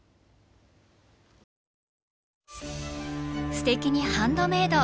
「すてきにハンドメイド」